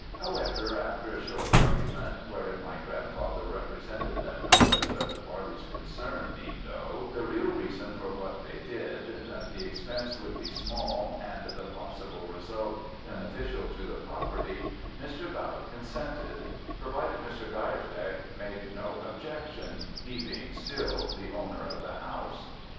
However, after a short argument, wherein my grandfather represented that nobody but the parties concerned need know the real reason for what they did, that the expense would be small, and the possible result beneficial to the property, Mr. Bautte consented, provided Mr. Geierstecke made no objection; he being still the owner of the house.